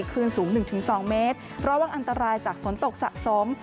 คลื่นสูงหนึ่งถึงสองเมตรรอวังอันตรายจากฝนตกสะสม